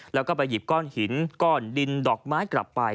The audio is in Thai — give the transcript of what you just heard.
แล้วก็ไปหยิบก้อนหินก้อนดินดอกไม้กลับไป